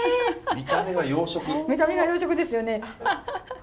見た目は洋食ですよね。